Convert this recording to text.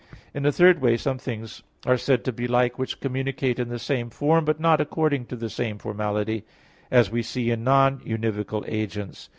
In a third way some things are said to be alike which communicate in the same form, but not according to the same formality; as we see in non univocal agents.